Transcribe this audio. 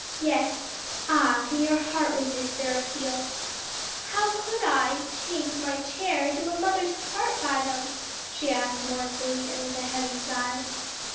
"Yes. Ah, can your heart resist their appeal?" "How could I, chained to my chair, do a mother's part by them?" she asked mournfully, and with a heavy sigh.